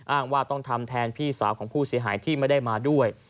อ้างว่าต้องทำแทนพี่สาวของผู้เสียหายที่ไม่ได้มาด้วย